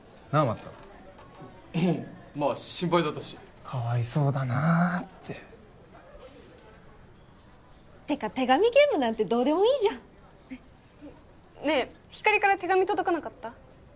マットうんまあ心配だったしかわいそうだなってってか手紙ゲームなんてどうでもいいじゃんねっねえひかりから手紙届かなかった？